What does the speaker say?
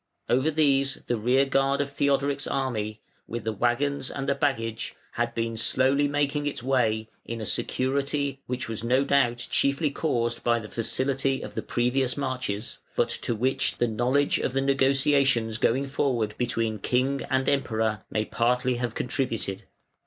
Over these the rear guard of Theodoric's army, with the waggons and the baggage, had been slowly making its way, in a security which was no doubt chiefly caused by the facility of the previous marches, but to which the knowledge of the negotiations going forward between King and Emperor may partly have contributed.